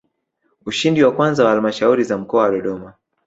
Ushindi wa kwanza kwa Halmashauri za Mkoa wa Dodoma